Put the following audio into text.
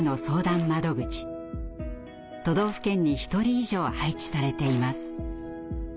都道府県に１人以上配置されています。